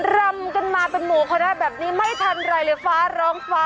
รำกันมาเป็นอู๋พนักบาปนี้ไม่ทันไรเลยฟ้าร่องฟ้ารับตกไม่ว่า